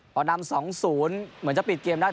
พอนำ๒๐เหมือนจะปิดเกมได้